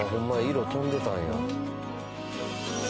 色飛んでたんや。